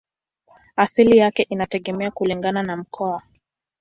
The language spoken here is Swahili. Asili yake inategemea kulingana na mkoa.